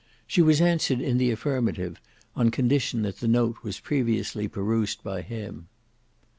She was answered in the affirmative, on condition that the note was previously perused by him.